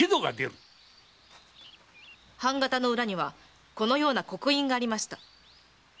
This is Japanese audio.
判型の裏にはこのような刻印がありました。